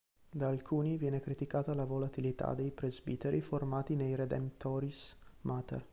Da alcuni viene criticata la "volatilità" dei presbiteri formati nei "Redemptoris Mater".